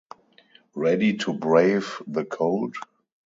Ready to brave the cold?